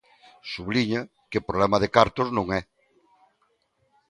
Subliña que "problema de cartos non é".